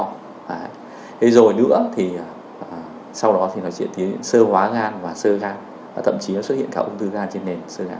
thế rồi nữa thì sau đó thì nó chuyển đến sơ hóa gan và sơ gan